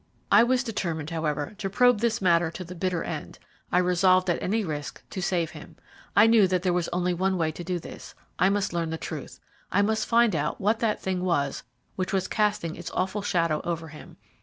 I was determined, however, to probe this matter to the bitter end. I resolved at any risk to save him. I knew that there was only one way to do this. I must learn the truth I must find out what that thing was which was casting its awful shadow over him.